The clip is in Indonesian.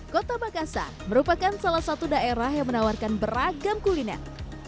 kota makassar merupakan salah satu daerah yang menawarkan beragam kuliner